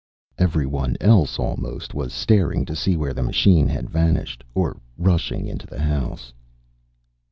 Every one else almost was staring to see where the machine had vanished, or rushing into the house.